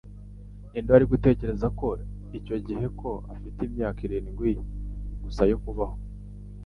Ninde wari gutekereza icyo gihe ko afite imyaka irindwi gusa yo kubaho?